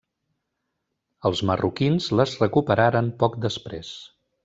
Els marroquins les recuperaren poc després.